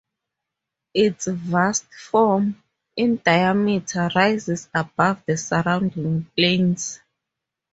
Its vast form, in diameter, rises above the surrounding plains.